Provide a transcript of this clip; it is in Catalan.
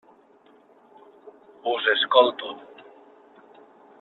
Us escolto.